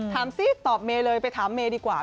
ถามซี่ตอบเมเลยไปถามเมดีกว่า